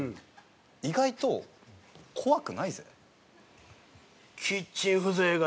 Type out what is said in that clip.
意外と怖くないぜ？